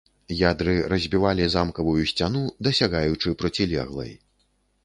Ядры разбівалі замкавую сцяну, дасягаючы процілеглай.